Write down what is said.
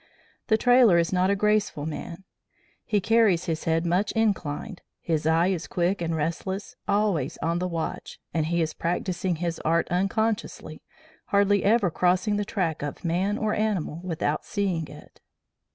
"The trailer is not a graceful man. He carries his head much inclined, his eye is quick and restless, always on the watch, and he is practising his art unconsciously, hardly ever crossing the track of man or animal without seeing it.